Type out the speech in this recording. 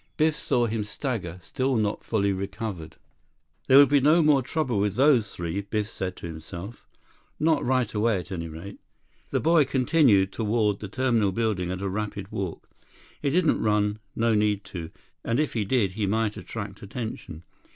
Biff saw him stagger, still not fully recovered. 34 He ran back toward the terminal building 35 There would be no more trouble with those three, Biff said to himself. Not right away, at any rate. The boy continued toward the terminal building at a rapid walk. He didn't run, no need to, and if he did, he might attract attention.